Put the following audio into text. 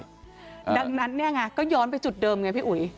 ดังนั้นเนี่ยไงก็ย้อนไปจุดเดิมไงพี่อุ๋ย